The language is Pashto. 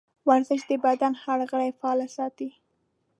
ورزش د بدن هر غړی فعال ساتي.